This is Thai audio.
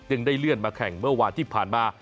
ได้เลื่อนมาแข่งเมื่อวานที่ผ่านมา